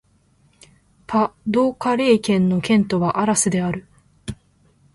パ＝ド＝カレー県の県都はアラスである